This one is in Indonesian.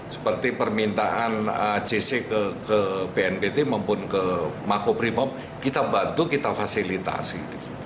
seperti permintaan jc ke bnpt maupun ke makobrimob kita bantu kita fasilitasi